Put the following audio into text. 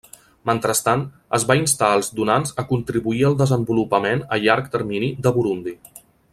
Mentrestant, es va instar als donants a contribuir al desenvolupament a llarg termini de Burundi.